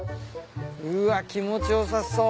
うわ気持ち良さそう。